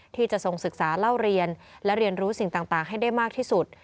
ที่จะทรงศึกษาเล่าเรียนและเรียนรู้สิ่งต่างให้ได้มากที่สุด